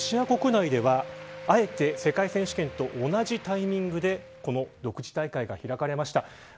そんな中、ロシア国内ではあえて世界選手権と同じタイミングでこの独自大会が開かれました。